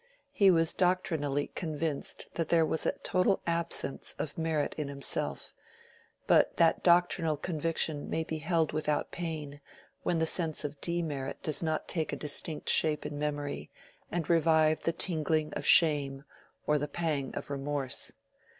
He was doctrinally convinced that there was a total absence of merit in himself; but that doctrinal conviction may be held without pain when the sense of demerit does not take a distinct shape in memory and revive the tingling of shame or the pang of remorse.